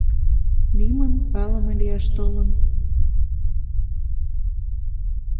— Лӱмын палыме лияш толын.